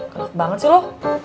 kelek banget sih lo